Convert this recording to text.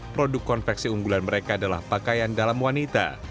produk konveksi unggulan mereka adalah pakaian dalam wanita